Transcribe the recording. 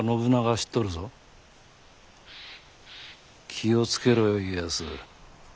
気を付けろよ家康。